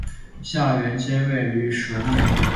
下原尖位于舌面。